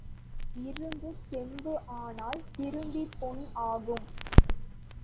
இரும்பு செம்பு ஆனால் திரும்பிப் பொன் ஆகும்.